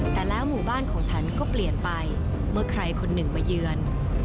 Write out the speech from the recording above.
แต่แล้วหมู่บ้านของฉันก็เปลี่ยนไปเมื่อใครคนหนึ่งมาเยือน